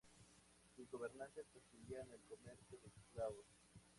Sus gobernantes perseguían el comercio de esclavos.